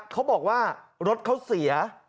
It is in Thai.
เขาบอกว่ารถเขาเสีย